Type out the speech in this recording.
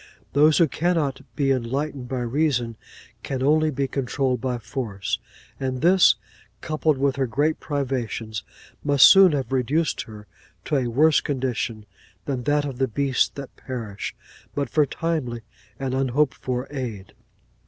Those who cannot be enlightened by reason, can only be controlled by force; and this, coupled with her great privations, must soon have reduced her to a worse condition than that of the beasts that perish, but for timely and unhoped for aid.